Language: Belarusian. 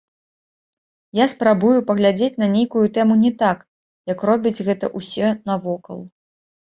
Я спрабую паглядзець на нейкую тэму не так, як робяць гэта ўсе навокал.